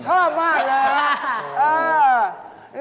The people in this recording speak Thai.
ชอบมากเลย